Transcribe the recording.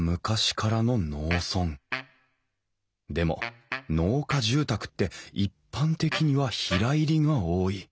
でも農家住宅って一般的には平入りが多い。